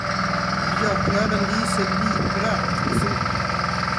Björklöven lyser limegrönt i solen.